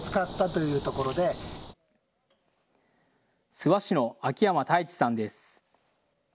諏訪市の秋山大一さんです。